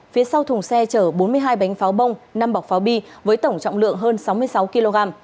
phía sau thùng xe chở bốn mươi hai bánh pháo bông năm bọc pháo bi với tổng trọng lượng hơn sáu mươi sáu kg